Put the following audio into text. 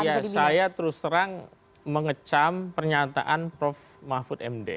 ya saya terus terang mengecam pernyataan prof mahfud md